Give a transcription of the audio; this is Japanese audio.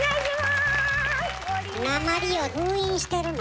なまりを封印してるの？